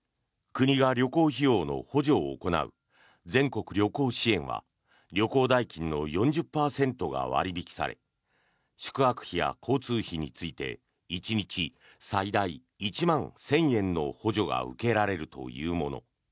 国が旅行費用の補助を行う全国旅行支援は旅行代金の４０％が割引され宿泊費や交通費について１日最大１万１０００円の補助が受けられるというもの。